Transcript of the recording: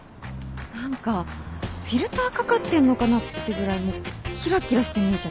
何かフィルターかかってんのかなってぐらいもうきらきらして見えちゃって。